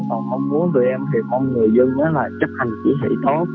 còn mong muốn tụi em thì con người dân là chấp hành chỉ thị tốt